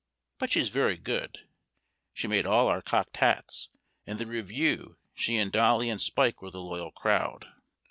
But she's very good; she made all our cocked hats, and at the review she and Dolly and Spike were the loyal crowd.